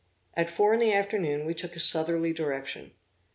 At four in the afternoon we took a southerly direction.